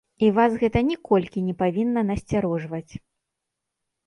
І вас гэта ніколькі не павінна насцярожваць.